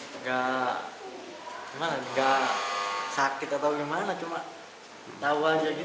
tidak sakit atau gimana cuma tahu aja gitu